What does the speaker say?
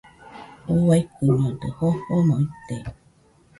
Uaikɨñodɨ jofomo ite.